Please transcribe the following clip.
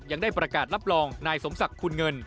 ยังได้ประกาศรับรองนายสมศักดิ์คุณเงิน